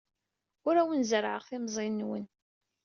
Ur awen-zerrɛeɣ timẓin-nwen.